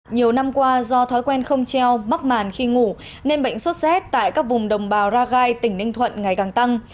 nhiều năm qua do thói quen không treo mắc màn khi ngủ nên bệnh xuất xét tại các vùng đồng bào ragai tỉnh ninh thuận ngày càng tăng